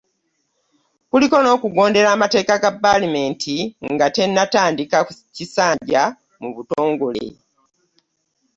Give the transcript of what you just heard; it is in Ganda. Kuliko n'okugondera amateeka ga ppaalamenti nga tennatandika kisanja mu butongole